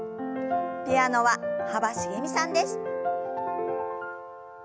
ピアノは幅しげみさんです。